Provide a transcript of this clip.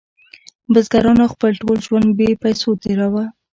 بزګرانو خپل ټول ژوند بې پیسو تیروه.